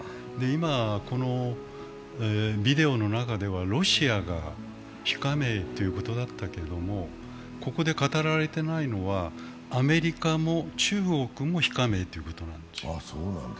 今ビデオの中ではロシアが非加盟ということだったけれどもここで語られてないのは、アメリカも中国も非加盟ということなんです。